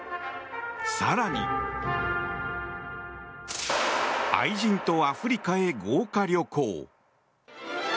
更に愛人とアフリカへ豪華旅行。